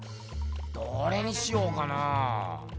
どれにしようかな。